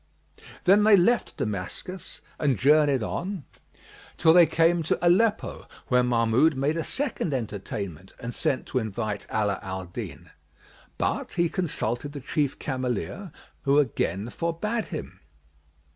Then they left Damascus and journeyed on till they came to Aleppo, where Mahmud made a second entertainment and sent to invite Ala al Din; but he consulted the Chief Cameleer who again forbade him.